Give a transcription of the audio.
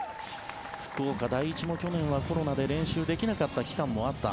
福岡第一も去年はコロナで練習できなかった期間もあった。